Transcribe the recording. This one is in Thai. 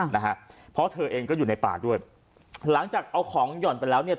นะฮะเพราะเธอเองก็อยู่ในป่าด้วยหลังจากเอาของหย่อนไปแล้วเนี่ย